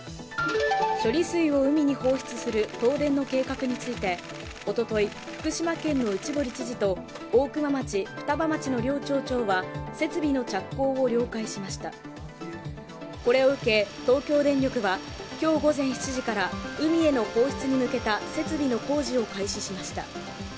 処理水を海に放出する東電の計画についておととい、福島県の内堀知事と大熊町・双葉町の両町長は設備の着工を了解しましたこれを受け、東京電力は今日午前７時から海への放出に向けた設備の工事を開始しました。